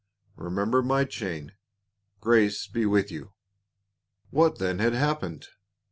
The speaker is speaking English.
Remember my chain. Grace be with you." What then had happened